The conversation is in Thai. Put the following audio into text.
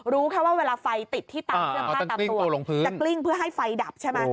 รู้เพราะว่าไฟติดที่ตังเครื่องค่าตังสายแต่กลิ้งเพื่อให้ไฟดับ